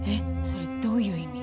それどういう意味？